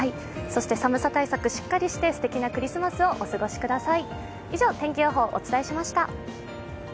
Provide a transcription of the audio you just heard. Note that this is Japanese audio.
寒さ対策、しっかりして素敵なクリスマスをお過ごしください。